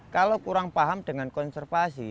kalau kurang paham dengan konservasi